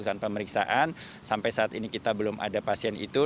pemeriksaan sampai saat ini kita belum ada pasien itu